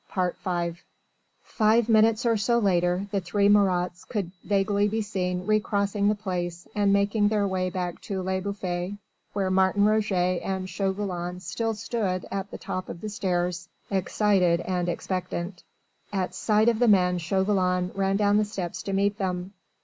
V Five minutes or so later the three Marats could vaguely be seen recrossing the Place and making their way back to Le Bouffay, where Martin Roget and Chauvelin still stood on the top of the stairs excited and expectant. At sight of the men Chauvelin ran down the steps to meet them.